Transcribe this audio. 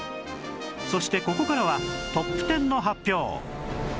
そしてここからはトップ１０の発表